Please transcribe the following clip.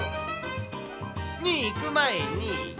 に、いく前に。